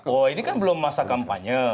oh ini kan belum masa kampanye